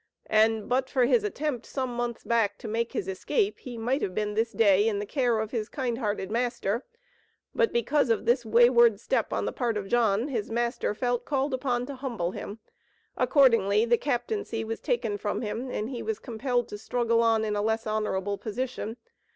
And but for his attempt some months back to make his escape, he might have been this day in the care of his kind hearted master. But, because of this wayward step on the part of John, his master felt called upon to humble him. Accordingly, the captaincy was taken from him, and he was compelled to struggle on in a less honorable position.